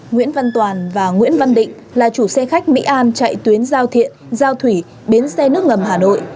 nguyễn văn toàn và nguyễn văn định là chủ xe khách mỹ an chạy tuyến giao thiện giao thủy bến xe nước ngầm hà nội